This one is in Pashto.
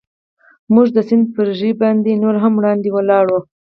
موږ د سیند پر ژۍ باندې نور هم وړاندې ولاړو.